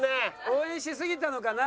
応援しすぎたのかな。